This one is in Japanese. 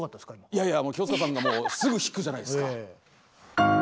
いやいや清塚さんがもうすぐ弾くじゃないですか。